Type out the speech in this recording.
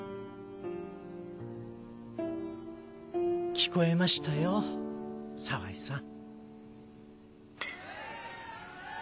聞こえましたよ澤井さん。